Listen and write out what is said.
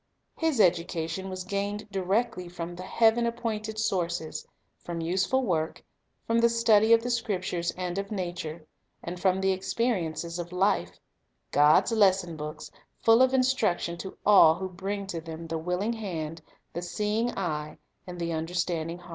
His education was gained directly from the Heaven appointed sources; from useful work, from the study of the Scriptures and of nature, and from the experiences of life, — God's lesson books, full of instruction to all who bring to them the willing hand, the seeing eye, and the understanding heart.